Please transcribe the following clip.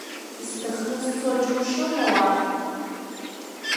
Исҭахны сцо џьушьома уахь…